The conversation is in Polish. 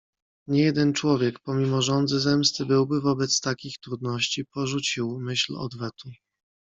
"Niejeden człowiek, pomimo żądzy zemsty, byłby wobec takich trudności porzucił myśl odwetu."